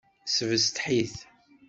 Sbesteḥ-it.